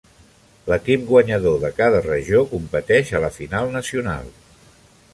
L'equip guanyador de cada regió competeix a la final nacional.